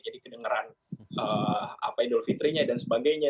jadi kedengeran apa idul fitrinya dan sebagainya